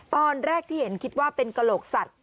ตอนแรกที่เห็นคิดว่าเป็นกระโหลกสัตว